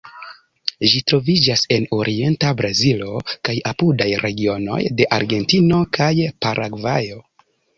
Ĝi troviĝas en orienta Brazilo kaj apudaj regionoj de Argentino kaj Paragvajo.